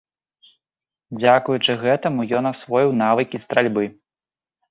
Дзякуючаму гэтаму ён асвоіў навыкі стральбы.